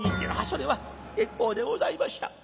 「それは結構でございました」。